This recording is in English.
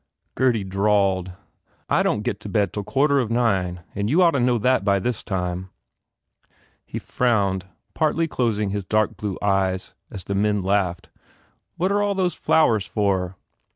"* Gurdy drawled, "I don t get to bed till quarter of nine and you ought to know that by this time." He frowned, partly closing his dark blue eyes, as the men laughed. "What are all those flowers for?"